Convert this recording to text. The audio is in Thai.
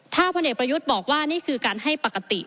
ถ้าพลเอกประยุทธ์บอกว่านี่คือการให้ปกติ